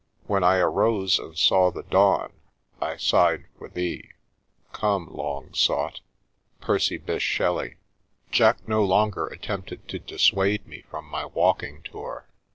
" When I arose and saw the dawn, I sighed for thee .•. Come, lon^ sought !— Percy Bysshe Shelley. Jack no longer attempted to dissuade me from my walking tour.